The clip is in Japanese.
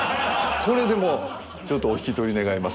これでもうちょっとお引き取り願います